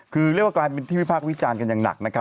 คือเรียกว่ากลายมณีที่วิพากษ์พี่จานกันอย่างหนัก